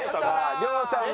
亮さんが？